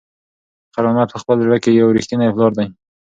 خیر محمد په خپل زړه کې یو رښتینی پلار دی.